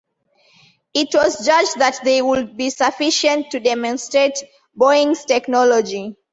It was judged that they would be sufficient to demonstrate Boeing's technology.